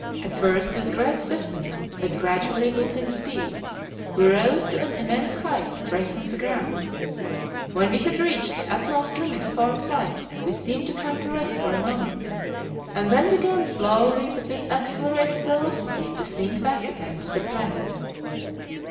At first, with great swiftness, but gradually losing speed, we rose to an immense height straight from the ground. When we had reached the utmost limit of our flight we seemed to come to rest for a moment, and then began slowly, but with accelerated velocity, to sink back again to the planet.